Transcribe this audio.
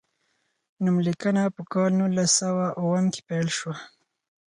نوم لیکنه په کال نولس سوه اووم کې پیل شوه.